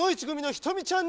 ひとみちゃん！